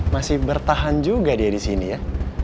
masih bertahan juga dia di sini ya